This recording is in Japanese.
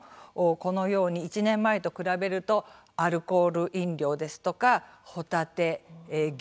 このように１年前と比べるとアルコール飲料ですとかホタテ牛肉